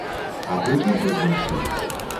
А пры чым тут мой сын?